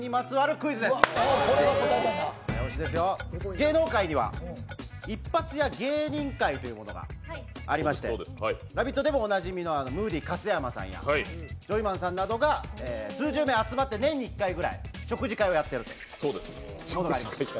芸能界には一発屋芸人会というのがありまして、「ラヴィット！」でもおなじみのムーディ勝山さんやジョイマンさんなどが数十名集まって年に１回ぐらい食事会をやっていると。